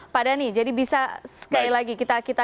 pak dhani jadi bisa sekali lagi kita